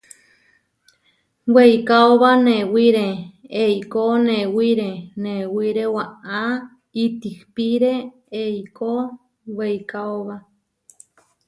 Weikaóba newiré eikó newiré newiré, waʼá itihpíre eikó weikaóba.